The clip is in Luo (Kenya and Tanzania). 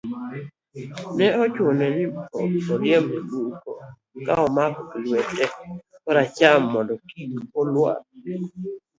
ne ochuno ni oriemb nyamburko ka omake gi lwete kor acham mondo kik olwar